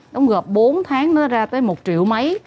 đóng góp bốn tháng nó ra tới một triệu mấy